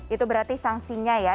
itu berarti sanksinya ya